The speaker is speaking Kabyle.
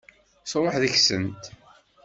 Truḥ deg-sent.